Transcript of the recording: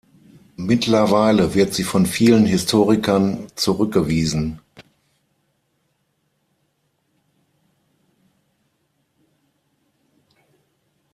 Mittlerweile wird sie von vielen Historikern zurückgewiesen.